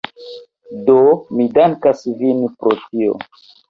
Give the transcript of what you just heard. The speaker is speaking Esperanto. Do, mi dankas vin pro tio